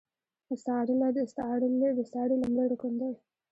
مستعارله د استعارې لومړی رکن دﺉ.